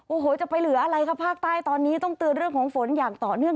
โอ้โหจะไปเหลืออะไรคะภาคใต้ตอนนี้ต้องเตือนเรื่องของฝนอย่างต่อเนื่อง